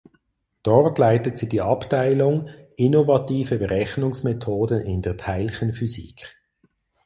Dort leitet sie die Abteilung „Innovative Berechnungsmethoden in der Teilchenphysik“.